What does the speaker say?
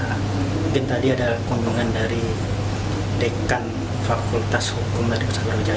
mungkin tadi ada kunjungan dari dekan fakultas hukum dari kasat brawijaya